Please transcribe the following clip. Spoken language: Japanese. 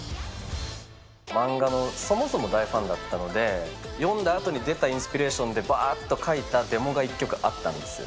漫画の、そもそも大ファンだったので、読んだあとに出たインスピレーションで、ばーっと書いたデモが１曲あったんです。